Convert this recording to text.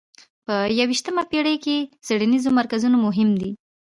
په یویشتمه پېړۍ کې څېړنیز مرکزونه مهم دي.